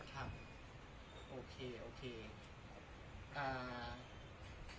ครับโอเคโอเค